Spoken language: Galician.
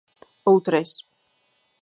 Ou tres.